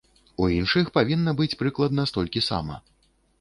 У іншых павінна быць прыкладна столькі сама.